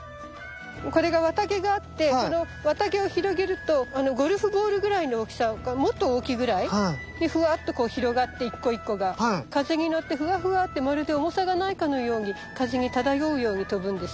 これが綿毛があってこの綿毛を広げるとゴルフボールぐらいの大きさかもっと大きいぐらいにフワっとこう広がって１個１個が風に乗ってフワフワってまるで重さがないかのように風に漂うように飛ぶんです。